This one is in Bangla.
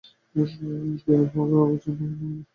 প্রেমের প্রভাবে অচেতন জড়বস্তু চেতনে পরিবর্তিত হয়।